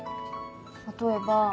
例えば。